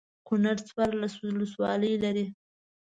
کنړ څوارلس ولسوالۍ لري.